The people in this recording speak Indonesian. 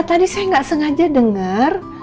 tadi saya nggak sengaja dengar